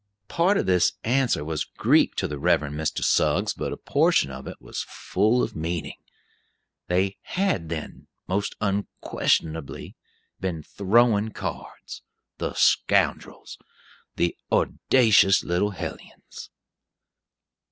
A part of this answer was Greek to the Reverend Mr. Suggs, but a portion of it was full of meaning. They had, then, most unquestionably, been "throwing" cards, the scoundrels! the "oudacious" little hellions!